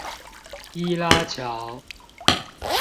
伊拉橋